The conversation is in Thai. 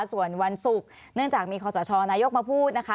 ส่วนวันศุกร์เนื่องจากมีคอสชนายกมาพูดนะคะ